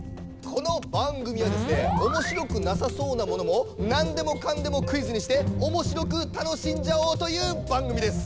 この番組はですねおもしろくなさそうなものもナンでもカンでもクイズにしておもしろく楽しんじゃおうという番組です。